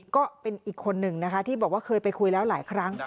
ก็เป็นอีกคนหนึ่งนะคะที่บอกว่าเคยไปคุยแล้วหลายครั้ง